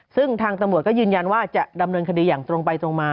ซึ่งทางตำรวจก็ยืนยันว่าจะดำเนินคดีอย่างตรงไปตรงมา